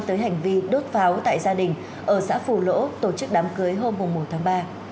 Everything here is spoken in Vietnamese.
tới hành vi đốt pháo tại gia đình ở xã phù lỗ tổ chức đám cưới hôm một tháng ba